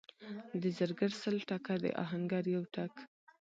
د زرګر سل ټکه، د اهنګر یو ټک.